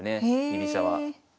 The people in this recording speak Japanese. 居飛車は。